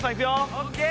オッケー！